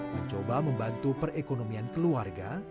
mencoba membantu perekonomian keluarga